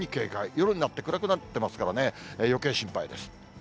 夜になって暗くなってますからね、よけい心配です。